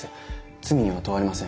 罪には問われません。